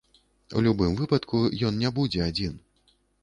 У любым выпадку, ён не будзе адзін.